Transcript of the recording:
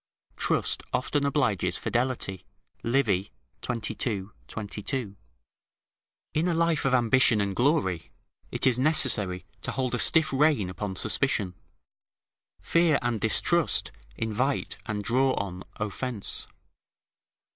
["Trust often obliges fidelity." Livy, xxii. 22.] In a life of ambition and glory, it is necessary to hold a stiff rein upon suspicion: fear and distrust invite and draw on offence.